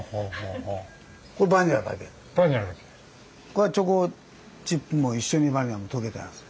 これはチョコチップも一緒にバニラもとけたやつ。